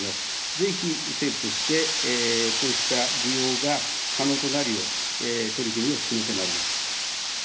ぜひ政府として、こうした利用が可能となるよう、取り組みを進めてまいります。